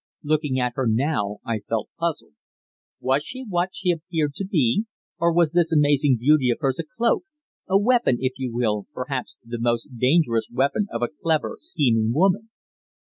Looking at her now, I felt puzzled. Was she what she appeared to be, or was this amazing beauty of hers a cloak, a weapon if you will, perhaps the most dangerous weapon of a clever, scheming woman?